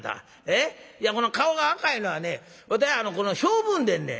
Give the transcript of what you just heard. いやこの顔が赤いのはね性分でんねん。